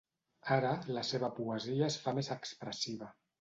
Ara, la seva poesia es fa més expressiva.